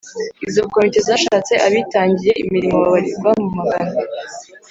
Izo komite zashatse abitangiye imirimo babarirwa mu magana